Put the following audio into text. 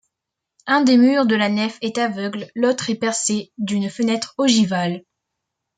Un des murs de la nef est aveugle, l'autre est percé d'une fenêtre ogivale.